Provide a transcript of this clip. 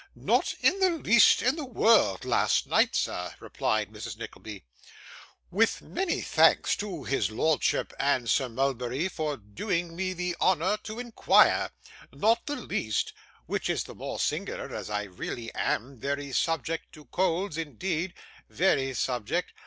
'Not the least in the world last night, sir,' replied Mrs. Nickleby, 'with many thanks to his lordship and Sir Mulberry for doing me the honour to inquire; not the least which is the more singular, as I really am very subject to colds, indeed very subject.